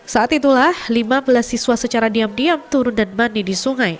saat itulah lima belas siswa secara diam diam turun dan mandi di sungai